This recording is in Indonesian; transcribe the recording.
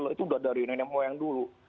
itu udah dari yang dulu